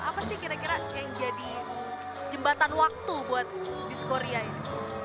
apa sih kira kira yang jadi jembatan waktu buat disco ria ini